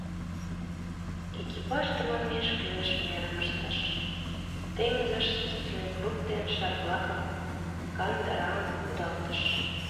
Экипаж тыманмеш кӱлеш мерым ыштыш: теҥызыш спасательный круг ден шар-влакым, кандырам кудалтыш...